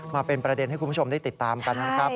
มาเป็นประเด็นให้คุณผู้ชมได้ติดตามกันนะครับ